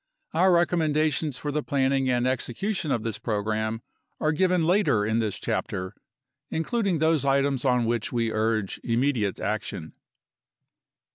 Our recommendations for the planning and execution of this program are given later in this chapter, including those items on which we urge im mediate action.